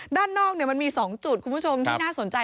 ด้านนอกมันมี๒จุดคุณผู้ชมที่น่าสนใจ